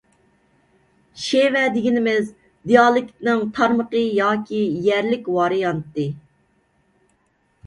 شېۋە دېگىنىمىز – دىئالېكتنىڭ تارمىقى ياكى يەرلىك ۋارىيانتى.